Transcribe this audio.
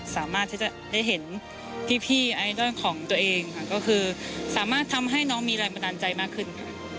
สามารถที่จะได้เห็นพี่ไอดอลของตัวเองค่ะก็คือสามารถทำให้น้องมีแรงบันดาลใจมากขึ้น